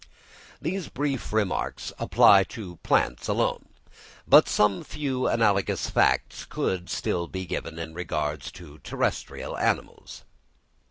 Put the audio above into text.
These brief remarks apply to plants alone; but some few analogous facts could be given in regard to terrestrial animals.